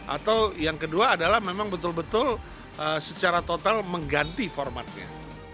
atau yang kedua adalah memang betul betul secara total mengganti formatnya